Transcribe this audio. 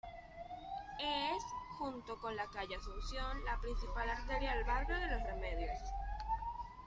Es, junto con la calle Asunción, la principal arteria del barrio de Los Remedios.